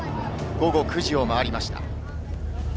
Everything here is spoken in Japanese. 午後９時を回りました。